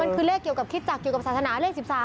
มันคือเลขเกี่ยวกับคิดจากเกี่ยวกับศาสนาเลข๑๓